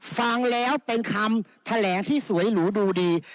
ฟังแล้วเป็นคำแถลงที่สวยหรูดูดี